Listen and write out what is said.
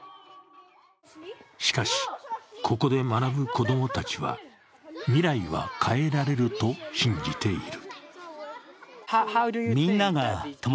しかし、ここで学ぶ子供たちは未来は変えられると信じている。